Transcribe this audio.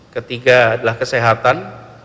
ketiga adalah kesehatan